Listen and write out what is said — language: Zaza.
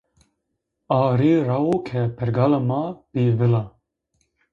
A ri rao ke pergalê ma bi vıla.